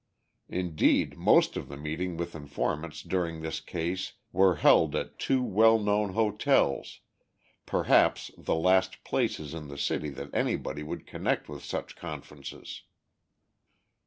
Indeed, most of the meetings with informants during this case were held at two well known hotels, perhaps the last places in the city that anybody would connect with such conferences.